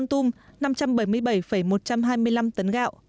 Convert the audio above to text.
tỉnh yên bái ba trăm bảy mươi bảy một trăm hai mươi năm tấn gạo